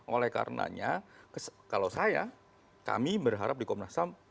oleh karenanya kalau saya kami berharap di komnas ham